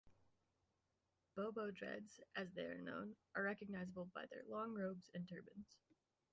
"Bobo Dreads", as they are known, are recognisable by their long robes and turbans.